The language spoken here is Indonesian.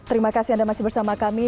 terima kasih anda masih bersama kami